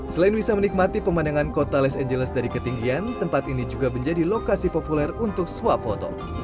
selain bisa menikmati pemandangan kota los angeles dari ketinggian tempat ini juga menjadi lokasi populer untuk swap foto